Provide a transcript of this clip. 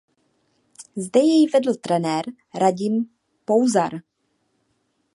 Zde jej vedl trenér Radim Pouzar.